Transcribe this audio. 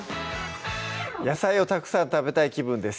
野菜をたくさん食べたい気分です